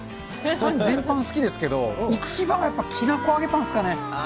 パン全般好きですけど、一番はやっぱきなこあげパンですかね。